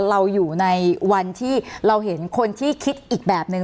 เราอยู่ในวันที่เราเห็นคนที่คิดอีกแบบนึง